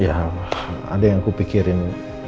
ya ada yang kupikirin